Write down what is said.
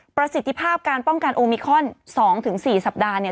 ประสิทธิภาพการป้องกันโอมิคอน๒๔สัปดาห์เนี่ย